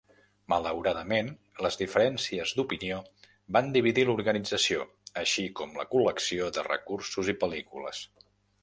Malauradament, les diferències d'opinió van dividir l'organització, així com la col·lecció de recursos i pel·lícules.